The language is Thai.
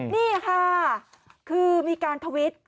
นี่ค่ะคือมีการทวิต